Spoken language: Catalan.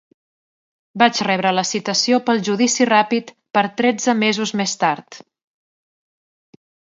Vaig rebre la citació pel judici ràpid per tretze mesos més tard